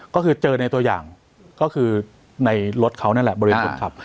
ก็คือเจอในตัวอย่างก็คือในรถเขานั่นแหละบริเวณคนขับ